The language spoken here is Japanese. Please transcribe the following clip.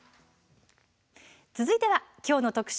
続いては、きょうの特集